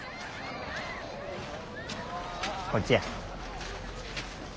こっちや。